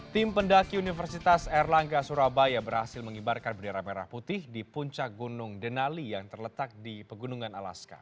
tim pendaki universitas erlangga surabaya berhasil mengibarkan bendera merah putih di puncak gunung denali yang terletak di pegunungan alaska